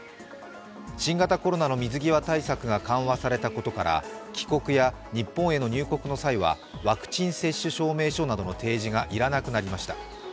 新型コロナの水際対策が緩和されたことから帰国や日本への入国の際にはワクチン接種証明書などの提示が要らなくなりました。